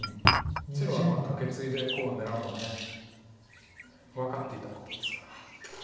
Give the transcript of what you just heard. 白はカケツイでコウを狙うのは分かっていたことですから。